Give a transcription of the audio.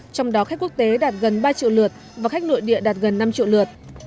trong đó khách quốc tế đạt gần ba triệu lượt và khách nội địa đạt gần năm triệu lượt